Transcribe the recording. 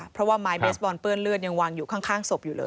เพราะว่าไม้เบสบอลเปื้อนเลือดยังวางอยู่ข้างศพอยู่เลย